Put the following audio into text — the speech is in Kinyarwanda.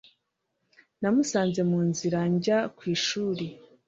Namusanze mu nzira njya ku ishuri